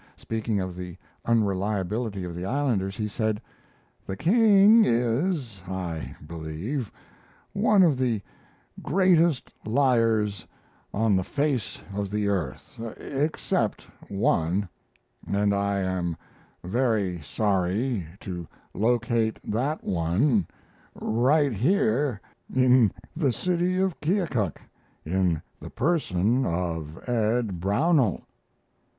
Speaking of the unreliability of the islanders, he said: "The king is, I believe, one of the greatest liars on the face of the earth, except one; and I am very sorry to locate that one right here in the city of Keokuk, in the person of Ed Brownell."